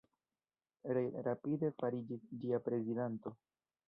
Reid rapide fariĝis ĝia prezidanto.